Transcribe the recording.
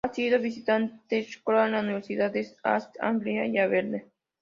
Ha sido "visiting scholar" en las universidades de East Anglia y Aberdeen.